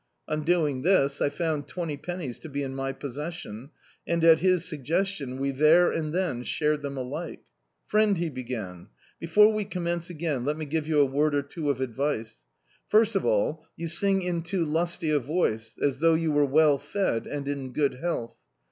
On doing this, I found twenty pennies to be in my possession, and, at his su^estion, we there and then shared them alike. "Friend," he began, "before we commence again, let me give you a word or two of advice. C"irst of all, you sing in too lusty a voice, as thougji you were well fed, and in good health.